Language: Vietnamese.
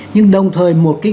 nhưng đồng thời một cái